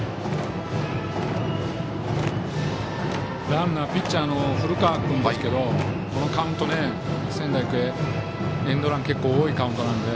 ランナーピッチャーの古川君ですけどこのカウントで仙台育英エンドラン多いカウントなので。